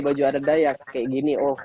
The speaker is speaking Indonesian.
baju adat dayak kayak gini